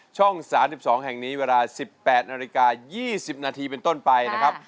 ช่อง๓๒แห่งนี้เวลา๑๘นาฬิกา๒๐นาทีเป็นต้นไปนะครับ